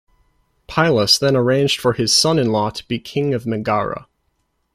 Pylas then arranged for his son-in-law to be king of Megara.